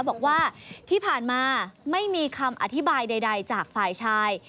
บอกว่าที่ผ่านมาไม่มีคำอธิบายใดจากฝ่ายชาย